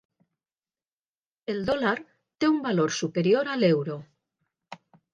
El dòlar té un valor superior a l'euro.